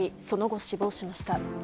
その後、死亡しました。